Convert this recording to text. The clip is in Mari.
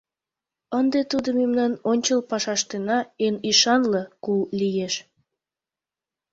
Ынде тудо мемнан ончыл пашаштына эн ӱшанле кул лиеш.